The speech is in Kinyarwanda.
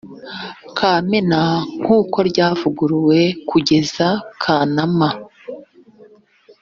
kamena nkuko ryavuguruwe kugeza kanama